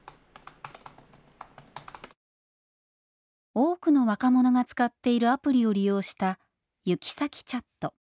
多くの若者が使っているアプリを利用したユキサキチャット。